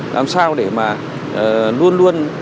làm sao để mà luôn luôn được xác định